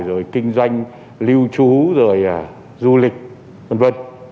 rồi kinh doanh lưu trú rồi du lịch v v